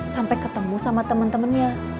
sampai ketemu sama temen temennya